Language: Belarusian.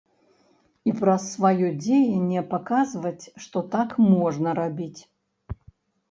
І праз сваё дзеянне паказваць, што так можна рабіць.